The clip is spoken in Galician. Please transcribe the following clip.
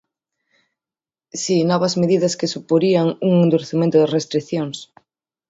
Si, novas medidas que suporían un endurecemento das restricións.